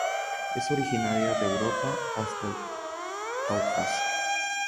Es originaria de Europa hasta el Cáucaso.